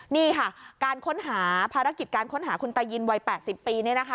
นี่ค่ะการค้นหาภารกิจการค้นหาคุณตายินวัย๘๐ปี